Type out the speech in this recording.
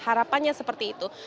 harapannya seperti itu